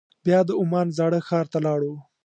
بیا د عمان زاړه ښار ته لاړو.